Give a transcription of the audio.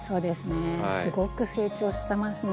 すごく成長してますね。